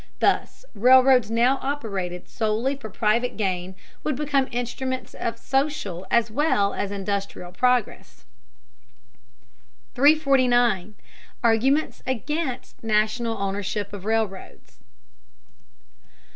Thus railroads now operated solely for private gain would become instruments of social as well as industrial progress. 349. ARGUMENTS AGAINST NATIONAL OWNERSHIP OF RAILROADS.